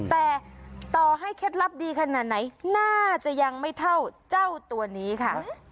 แต่ต่อให้เคล็ดลับดีขนาดไหนน่าจะยังไม่เท่าเจ้าตัวนี้ค่ะ